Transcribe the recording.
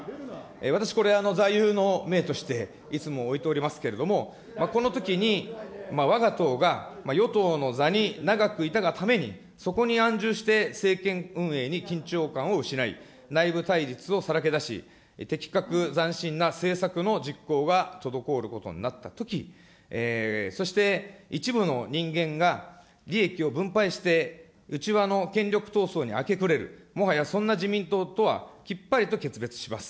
私これ、座右の銘としていつも置いておりますけれども、このときに、わが党が与党の座に長くいたがために、そこに安住して政権運営に緊張感を失い、内部対立をさらけ出し、的確斬新な政策の実行が滞ることになったとき、そして一部の人間が利益を分配して内輪の権力闘争に明け暮れる、もはやそんな自民党とはきっぱりと決別します。